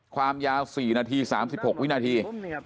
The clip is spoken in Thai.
ความยาว๔นาที๓๖วินาที